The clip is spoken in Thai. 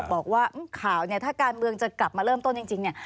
บอกว่าข่าวเนี่ยถ้าการเมืองจะกลับมาเริ่มต้นจริงเนี่ย